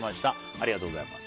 ありがとうございます。